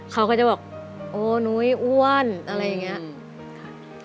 เขาก็จะบอกโอ้นุ้ยอ้วนอะไรอย่างนี้ค่ะ